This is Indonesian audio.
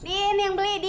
ini yang beli dia